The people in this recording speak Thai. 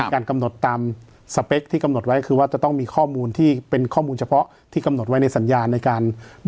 การกำหนดตามสเปคที่กำหนดไว้คือว่าจะต้องมีข้อมูลที่เป็นข้อมูลเฉพาะที่กำหนดไว้ในสัญญาในการ